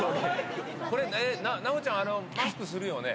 これ、奈緒ちゃん、マスクするよね？